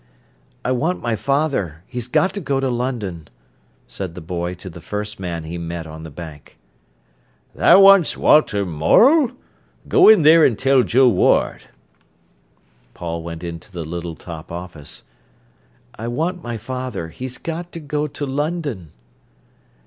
"I want my father; he's got to go to London," said the boy to the first man he met on the bank. "Tha wants Walter Morel? Go in theer an' tell Joe Ward." Paul went into the little top office. "I want my father; he's got to go to London."